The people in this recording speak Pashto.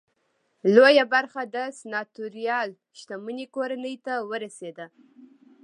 لویه برخه د سناتوریال شتمنۍ کورنۍ ته ورسېده.